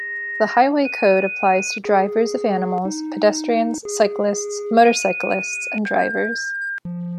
The Highway Code applies to drivers of animals, pedestrians, cyclists, motorcyclists and drivers.